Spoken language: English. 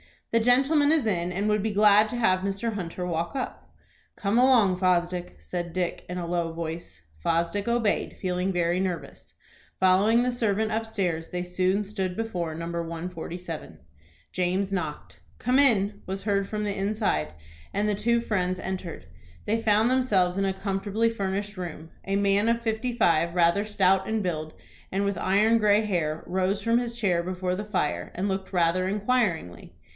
"The gentleman is in, and would be glad to have Mr. Hunter walk up." "Come along, Fosdick," said Dick, in a low voice. Fosdick obeyed, feeling very nervous. Following the servant upstairs, they soon stood before No. 147. James knocked. "Come in," was heard from the inside, and the two friends entered. They found themselves in a comfortably furnished room. A man of fifty five, rather stout in build, and with iron gray hair, rose from his chair before the fire, and looked rather inquiringly.